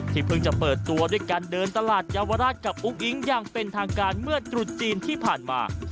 เพิ่งจะเปิดตัวด้วยการเดินตลาดเยาวราชกับอุ้งอิ๊งอย่างเป็นทางการเมื่อตรุษจีนที่ผ่านมา